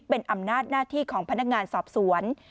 เป็นอำนาจหน้าที่ของพนักงานสอบสวน